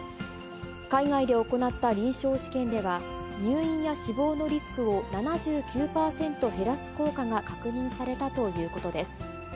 海外で行った臨床試験では、入院や死亡のリスクを７９％減らす効果が確認されたということです。